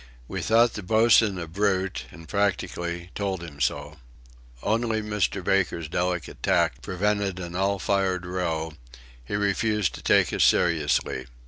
We thought the boatswain a brute, and, practically, told him so. Only Mr. Baker's delicate tact prevented an all fired row: he refused to take us seriously.